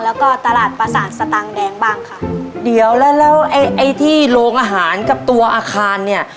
แล้วก็ตลาดประสาทสตางค์แดงบ้างค่ะเดี๋ยวแล้วแล้วไอ้ไอ้ที่โรงอาหารกับตัวอาคารเนี่ย